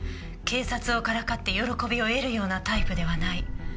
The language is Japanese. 警察をからかって喜びを得るようなタイプではない。